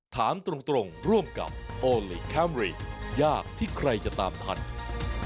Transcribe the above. ถามตรงร่วมกับโอลี่คัมรี่ยากที่ใครจะตามทัน